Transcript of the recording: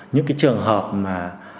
những cái trường hợp mà